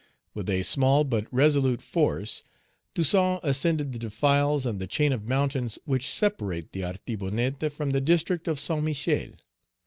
With a small but resolute force, Toussaint ascended the defiles, and the chain of mountains which separate the Artibonite from the district of Saint Michael.